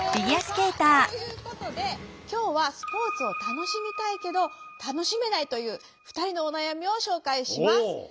さあということで今日はスポーツを楽しみたいけど楽しめないという２人のお悩みを紹介します。